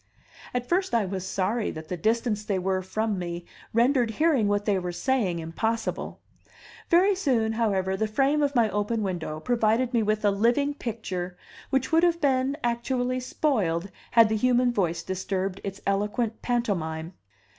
At first I was sorry that the distance they were from me rendered hearing what they were saying impossible; very soon, however, the frame of my open window provided me with a living picture which would have been actually spoiled had the human voice disturbed its eloquent pantomime.